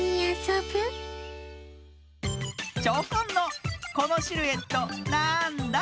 チョコンの「このシルエットなんだ？」